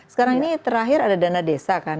sekarang ini terakhir ada dana desa kan